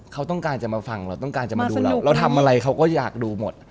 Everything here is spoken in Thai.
เราทำอะไรเขาก็อยากดูหมด